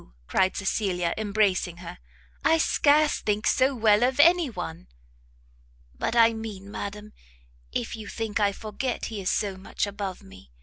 cried Cecilia, embracing her, "I scarce think so well of any one!" "But I mean, madam, if you think I forget he is so much above me.